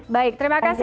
baik terima kasih